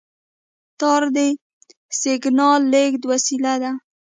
تار د سیګنال لېږد وسیله ده.